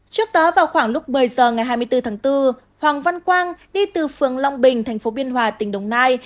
trước đó vào khoảng lúc một mươi h ngày hai mươi bốn tháng bốn hoàng văn quang đi từ phường long bình tp biên hòa tỉnh đồng nai